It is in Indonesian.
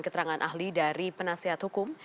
keterangan ahli dari penasihat hukum